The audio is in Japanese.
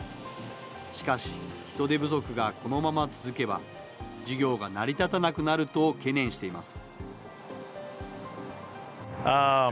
しかし、人手不足がこのまま続けば、事業が成り立たなくなると懸念しています。